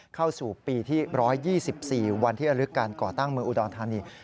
เข้าสู่ปีที่๑๒๔วันที่ระลึกการก่อตั้งเมืองอุดรธานี